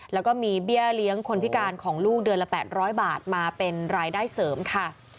แล้วก็มีเบี้ยเลี้ยงคนพิการของลูกเดือนละ๘๐๐บาทมาเป็นรายได้เสริมค่ะ